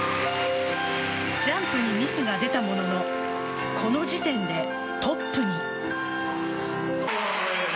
ジャンプにミスが出たもののこの時点でトップに。